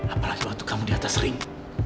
apalagi waktu kamu di atas ring